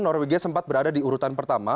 norwegia sempat berada di urutan pertama